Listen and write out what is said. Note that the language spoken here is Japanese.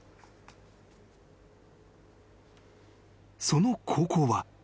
［その高校は］